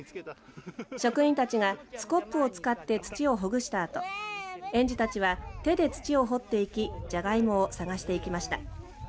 職員たちがスコップを使って土をほぐしたあと園児たちは手で土を掘っていきジャガイモを探していきました。